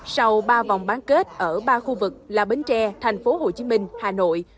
sau ba vòng bán kết ở ba khu vực là bến tre tp hcm hà nội